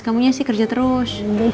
kamunya sih kerja terus